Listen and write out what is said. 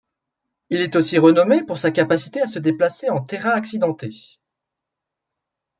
Il est aussi renommé pour sa capacité à se déplacer en terrain accidenté.